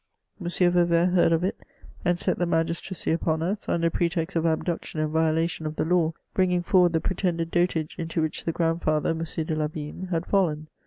M. Vauvert heard of it, and set the magistracy upon us, under pretext of abduction and violation of the law, bringing forward the pretended dotage into which the grandfather, M. de Lavigne, had fiallen.